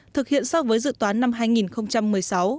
thực hiện so với dự toán năm hai nghìn một mươi sáu